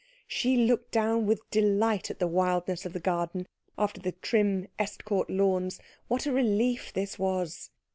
She looked down with delight at the wildness of the garden; after the trim Estcourt lawns, what a relief this was.